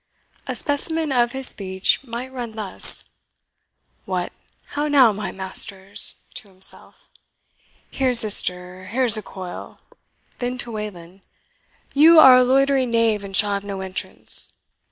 A specimen of his speech might run thus: "What, how now, my masters?" (to himself) "Here's a stir here's a coil." (Then to Wayland) "You are a loitering knave, and shall have no entrance."